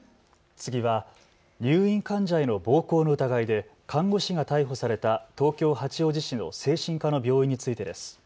次は、入院患者への暴行の疑いで看護師が逮捕された東京八王子市の精神科の病院についてです。